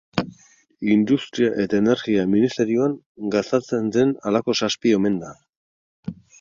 Industria eta Energia ministerioan gastatzen den halako zazpi omen da.